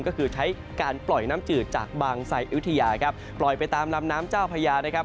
ก็คือใช้การปล่อยน้ำจืดจากบางไซ่อุธยาครับปล่อยไปตามลำน้ำเจ้าพญานะครับ